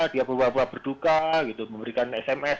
dia berbual bual berduka memberikan sms